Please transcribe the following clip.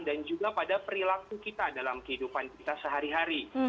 dan juga pada perilaku kita dalam kehidupan kita sehari hari